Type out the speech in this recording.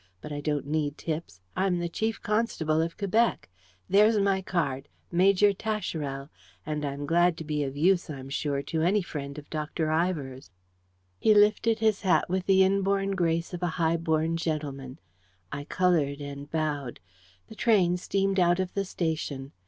But I don't need tips. I'm the Chief Constable of Quebec there's my card; Major Tascherel, and I'm glad to be of use, I'm sure, to any friend of Dr. Ivor's." He lifted his hat with the inborn grace of a high born gentleman. I coloured and bowed. The train steamed out of the station.